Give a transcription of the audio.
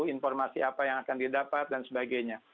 informasi apa yang akan didapat dan sebagainya